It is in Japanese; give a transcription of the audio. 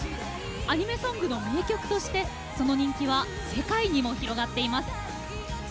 アニメソングの名曲としてその人気は世界にも広がっています。